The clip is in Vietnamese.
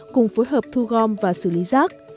cùng phối hợp thu gom và xử lý rác